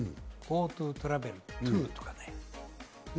ＧｏＴｏトラベル２とかね。